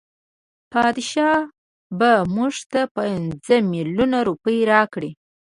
بادشاه به مونږ ته پنځه میلیونه روپۍ راکړي.